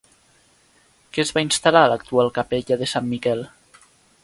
Què es va instal·lar a l'actual capella de Sant Miquel?